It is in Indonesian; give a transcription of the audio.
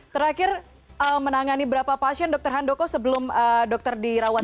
terakhir menangani berapa pasien dokter handoko sebelum dokter dirawat